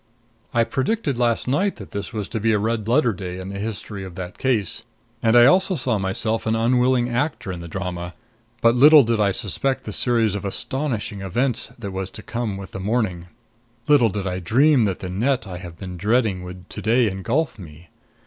I predicted last night that this was to be a red letter day in the history of that case, and I also saw myself an unwilling actor in the drama. But little did I suspect the series of astonishing events that was to come with the morning; little did I dream that the net I have been dreading would to day engulf me.